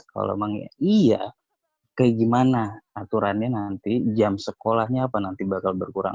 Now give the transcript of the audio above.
kalau emang iya kayak gimana aturannya nanti jam sekolahnya apa nanti bakal berkurang